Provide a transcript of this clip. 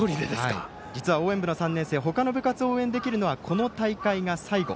実は応援部の３年生他の部活を応援できるのはこの大会が最後。